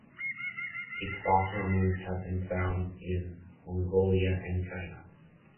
Its fossil remains have been found in Mongolia and China.